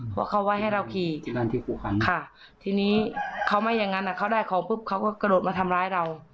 เพราะเขาไว้ให้เราขี่ทีนี้เขามาอย่างนั้นเขาได้ของปุ๊บเขาก็กระโดดมาทำร้ายเรา